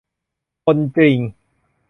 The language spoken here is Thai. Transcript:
คนจริง ?